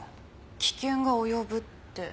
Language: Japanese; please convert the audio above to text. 危険が及ぶって。